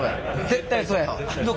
絶対そう。